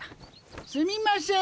すみません